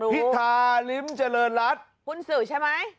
พิธาริมเจริญรัฐหุ้นสื่อใช่ไหม